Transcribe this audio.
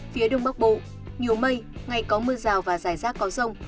phía đông bắc bộ nhiều mây ngày có mưa rào và rải rác có rông